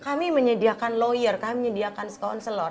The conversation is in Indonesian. kami menyediakan lawyer kami menyediakan scounselor